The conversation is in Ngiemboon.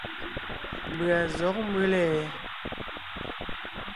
Mbʉ̀a zɔ̌g mbʉ́le ?